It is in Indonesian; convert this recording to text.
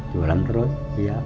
jualan terus ya